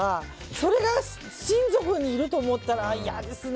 それが親族にいると思ったら嫌ですね。